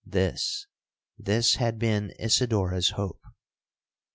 —This—this had been Isidora's hope.